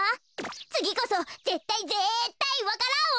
つぎこそぜったいぜったいわか蘭をうばう！